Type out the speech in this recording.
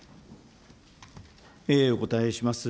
お応えします。